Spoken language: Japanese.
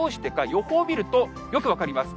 予報見るとよく分かります。